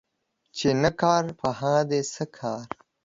چي نه کار په هغه دي څه کار.